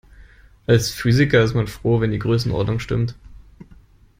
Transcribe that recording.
Als Physiker ist man froh, wenn die Größenordnung stimmt.